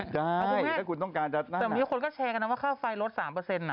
ใช่ถ้าคุณต้องการจัดนั่นนะแต่วันนี้คนก็แชร์กันนะว่าค่าไฟลด๓เปอร์เซ็นต์น่ะ